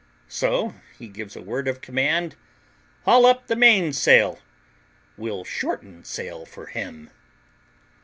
So he gives a word of command, "Haul up the main sail; we'll shorten sail for him."